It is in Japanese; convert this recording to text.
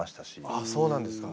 あっそうなんですか。